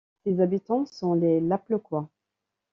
Ses habitants sont les Lapleaucois.